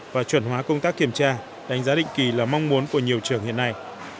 và chuẩn hóa công tác kiểm tra đánh giá định kỳ là mong muốn của nhiều trường hiện nay